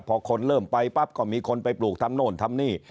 พอคนเริ่มไปปั๊บก็มีคนไปปลูกทำโน่นทำนี่